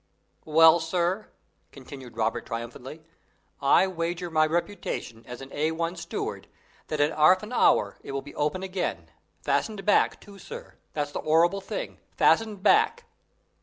"Well, sir," continued Robert, triumphantly, "I wager my reputation as a A1 steward that in 'arf an hour it will be open again; fastened back, too, sir, that's the horful thing fastened back!"